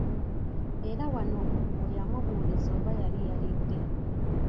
Era wano we yamubuuliza oba yali yalidde.